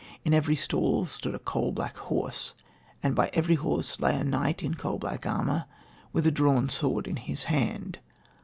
In every stall stood a coal black horse, and by every horse lay a knight in coal black armour, with a drawn sword in his hand.